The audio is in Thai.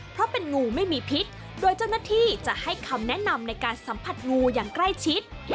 เพราะเป็นงูไม่มีพิษโดยเจ้าหน้าที่จะให้คำแนะนำในการสัมผัสงูอย่างใกล้ชิด